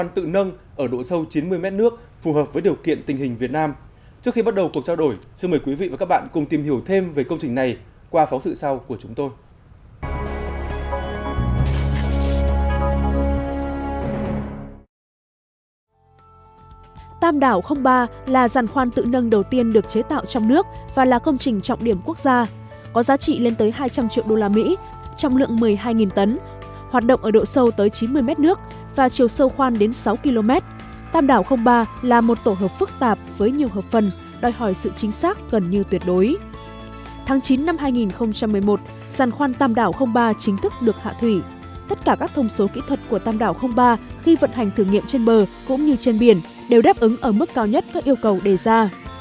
tất cả các thông số kỹ thuật của tam đảo ba khi vận hành thử nghiệm trên bờ cũng như trên biển đều đáp ứng ở mức cao nhất các yêu cầu đề ra